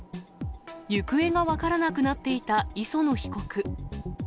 行方が分からなくなっていた磯野被告。